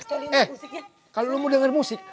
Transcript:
eh kalo lu mau denger musik